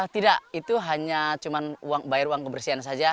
tidak itu hanya cuma bayar uang kebersihan saja